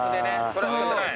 それは仕方ない。